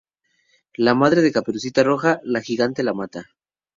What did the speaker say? La Madre de Caperucita Roja: la Gigante la mata.